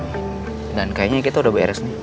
ya udah pokoknya sekarang kita pulang